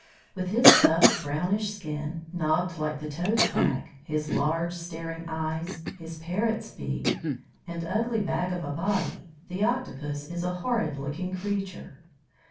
With his tough, brownish skin, knobbed like the toad's back, his large staring eyes, his parrot's beak, and ugly bag of a body, the Octopus is a horrid looking creature.